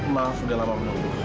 maaf sudah lama menunggu